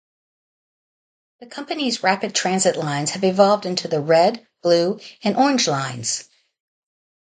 The company's rapid transit lines have evolved into the Red, Blue, and Orange Lines.